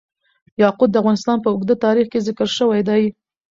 یاقوت د افغانستان په اوږده تاریخ کې ذکر شوی دی.